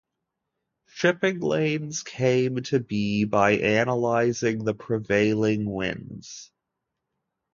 Shipping lanes came to be by analysing the prevailing winds.